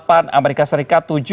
amerika serikat tujuh